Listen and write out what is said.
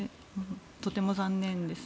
とても残念です。